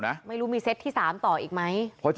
ตอนนี้ยังไม่เจอเนี่ยไม่รู้ว่ามีใครช่วยต่ออีกหรือเปล่านะ